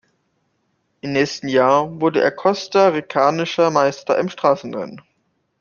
Im nächsten Jahr wurde er costa-ricanischer Meister im Straßenrennen.